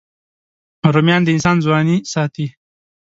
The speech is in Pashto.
رومیان د انسان ځواني ساتي